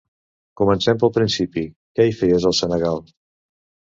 Comencem pel principi, què hi feies al Senegal?